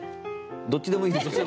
どっちでもいいですよ。